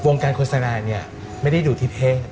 การโฆษณาเนี่ยไม่ได้ดูที่เท่ง